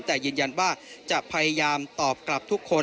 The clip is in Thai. แต่ยืนยันว่าจะพยายามตอบกลับทุกคน